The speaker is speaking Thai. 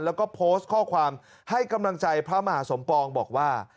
แล้วก็โพสต์ข้อความให้กำลังใจพระมหาสมปองบอกว่า